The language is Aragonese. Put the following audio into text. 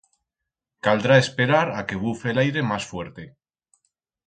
Caldrá esperar a que bufe l'aire mas fuerte.